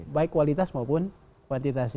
baik kualitas maupun kuantitasnya